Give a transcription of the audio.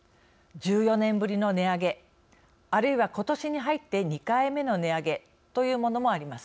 １４年ぶりの値上げあるいはことしに入って２回目の値上げというものもあります。